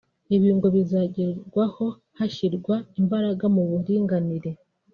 Ibi ngo bizagerwaho hashyirwa imbaraga mu buringanire